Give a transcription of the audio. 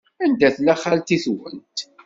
Anda tella xalti-twent?